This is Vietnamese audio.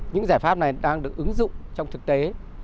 những giải pháp này đang được ứng dụng trong thực tế